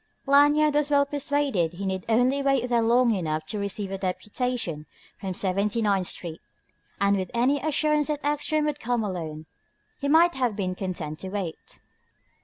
Lanyard was well persuaded he need only wait there long enough to receive a deputation from Seventy ninth Street. And with any assurance that Ekstrom would come alone, he might have been content to wait.